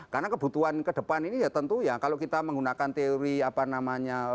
karena kebutuhan kedepan ini ya tentu ya kalau kita menggunakan teori apa namanya